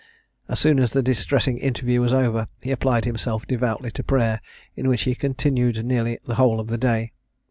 As soon as the distressing interview was over, he applied himself devoutly to prayer, in which he continued nearly the whole of the day.